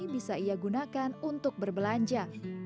bisa ia gunakan untuk berbelanja